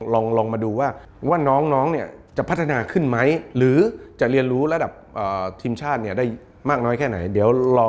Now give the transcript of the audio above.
โปรดติดตามตอนต่อไป